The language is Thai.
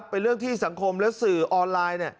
เป็นเรื่องที่สังคมและสื่อออนไลน์